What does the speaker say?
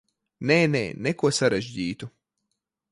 Nē, nē, neko sarežģītu.